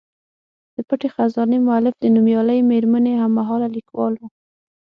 د پټې خزانې مولف د نومیالۍ میرمنې هم مهاله لیکوال و.